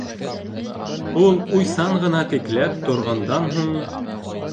Ул, уйсан ғына текләп торғандан һуң: